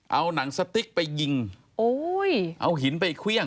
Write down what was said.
เอานังสติ๊กไปยิงเอาหินไปเคลี่ยง